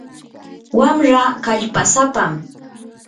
wamraa kallpasapam.